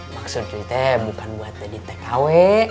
maksud cuy teh bukan buat jadi tkw